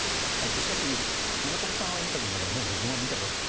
しかし、長友さんはインタビューの中でもう自分は見たよと。